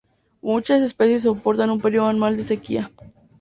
Muchas especies soportan un período anual de sequía.